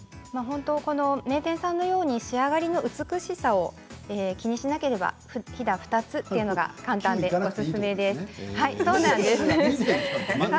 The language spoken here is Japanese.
名店さんのように仕上がりの美しさを気にしなければひだ２つというのが簡単です。